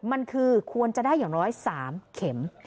มันคือควรจะได้อย่างน้อย๓เข็ม